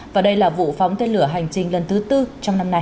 và đây là vụ phóng tên lửa hành trình lần thứ tư trong năm nay